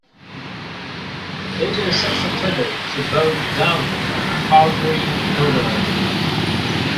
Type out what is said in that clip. It is susceptible to both downy and powdery mildew.